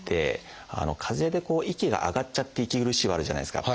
かぜで息が上がっちゃって息苦しいはあるじゃないですか。